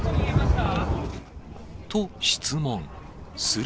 と、質問。